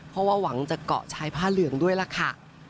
เพราะว่าหวังจะเกาะชายผ้าเหลืองด้วยล่ะค่ะ